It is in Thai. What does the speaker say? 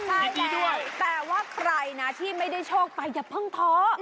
ใช่แหละแต่ว่าใกล้ที่ไม่ได้โชคไปอย่าเพิ่งท้อ